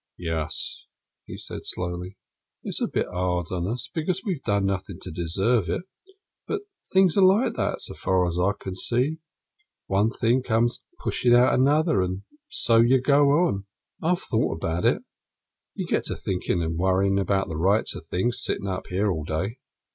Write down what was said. "Yes," he said slowly, "it's a bit 'ard on us, because we've done nothing to deserve it. But things are like that, so far as I can see. One thing comes pushin' out another, and so you go on. I've thought about it you get to thinkin' and worryin' about the rights o' things, sittin' up here all day.